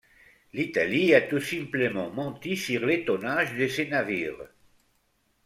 L'Italie a tout simplement menti sur le tonnage de ses navires.